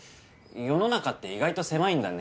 世の中って意外と狭いんだね。